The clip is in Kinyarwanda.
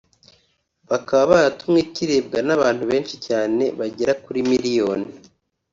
bakaba baratumye kirebwa n’abantu benshi cyane bagera kuri miliyoni